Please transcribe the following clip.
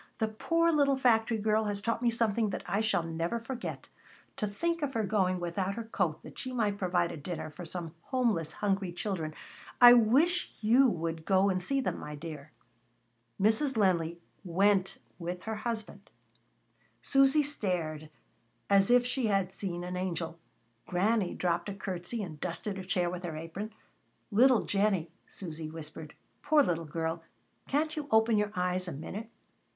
"The poor little factory girl has taught me something that I shall never forget. To think of her going without her coat that she might provide a dinner for some homeless, hungry children. I wish you would go and see them, my dear." Mrs. Linley went with her husband. [Illustration: "O Mother! Mother!"] Susy stared as if she had seen an angel. Granny dropped a curtesy, and dusted a chair with her apron. "Little Jennie," Susy whispered, "poor little girl, can't you open your eyes a minute?"